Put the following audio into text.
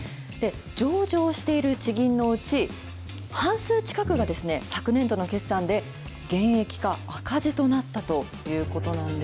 上場している地銀のうち、半数近くがですね、昨年度の決算で減益か赤字となったということなんで